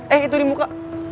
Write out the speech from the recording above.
eh itu di muka